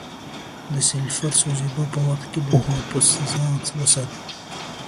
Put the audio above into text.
د سلفر د سوځیدو په وخت کې د تنفس څخه ځان وساتئ.